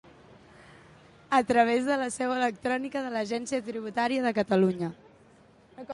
A través de la seu electrònica de l'Agència Tributària de Catalunya.